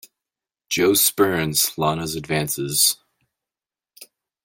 Joe spurns Lana's advances.